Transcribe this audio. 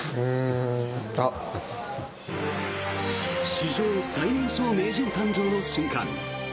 史上最年少名人誕生の瞬間。